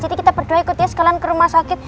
jadi kita berdua ikut ya sekalian ke rumah sakit